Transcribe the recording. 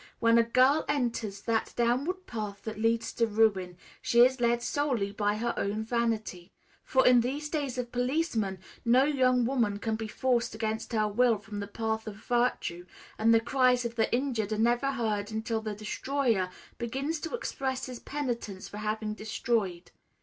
"When a girl enters that downward path that leads to ruin, she is led solely by her own vanity; for in these days of policemen no young woman can be forced against her will from the path of virtue, and the cries of the injured are never heard until the destroyer begins to express his penitence for having destroyed.